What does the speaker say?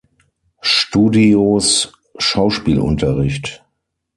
Studio"s Schauspielunterricht.